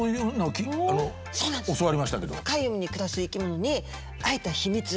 深い海に暮らす生き物に会えた秘密。